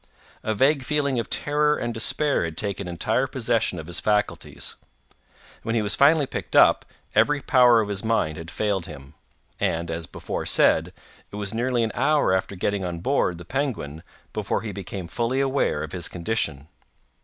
A vague feeling of terror and despair had taken entire possession of his faculties. When he was finally picked up, every power of his mind had failed him; and, as before said, it was nearly an hour after getting on board the Penguin before he became fully aware of his condition.